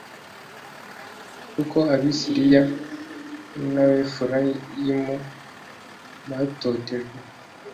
kuko abasiriya n abefurayimu batotejwe